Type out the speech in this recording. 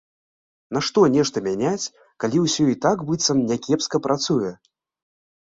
Нашто нешта мяняць, калі ўсё і так, быццам, някепска працуе?